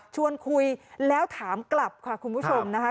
ชวนคุยแล้วถามกลับค่ะคุณผู้ชมนะคะ